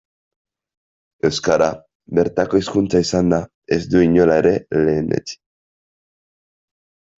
Euskara, bertako hizkuntza izanda, ez du inola ere lehenetsi.